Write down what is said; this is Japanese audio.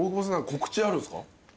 告知あるんすか？